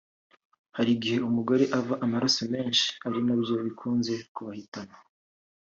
hari igihe umugore ava amaraso menshi ari na byo bikunze kubahitana